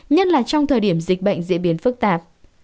nhất là trong thời điểm dịch bệnh diễn biến phức tạp